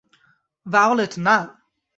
Violet, না।